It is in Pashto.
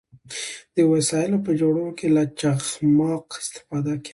د وسایلو په جوړولو کې له چخماق استفاده کیده.